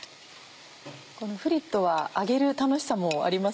このフリットは揚げる楽しさもありますね。